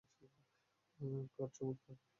কাট, চমৎকার।